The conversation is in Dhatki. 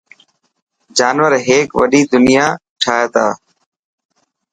جانور هيڪ وڏي دنيا ٺاهي تا.